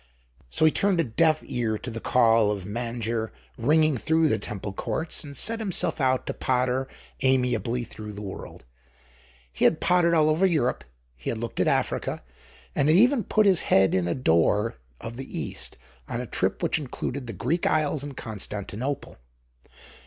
So he turned a deaf ear to the call of "Manger" ringing through the Temple Courts, and set himself out to potter amiably through the world. He had pottered all over Europe, he had looked at Africa, and had even put his head in at the door of the East, on a trip which included the Greek isles and Constantinople.